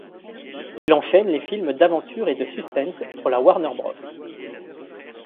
Il enchaîne les films d'aventures et de suspense pour la Warner Bros.